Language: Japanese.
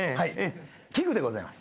器具でございます。